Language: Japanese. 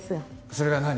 それが何？